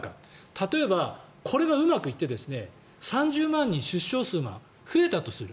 例えばこれがうまくいって３０万人出生数が増えたとする。